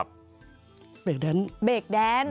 เบรกแดนส์